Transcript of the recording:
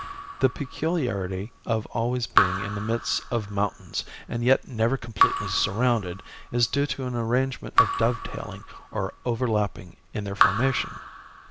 The peculiarity of always being in the midst of mountains and yet never completely surrounded, is due to an arrangement of dovetailing or overlapping in their formation.